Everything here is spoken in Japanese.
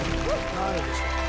何位でしょう？